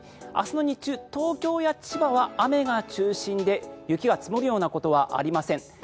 明日の日中、東京や千葉は雨が中心で雪が積もるようなことはありません。